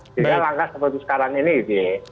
jadi langkah seperti sekarang ini gitu ya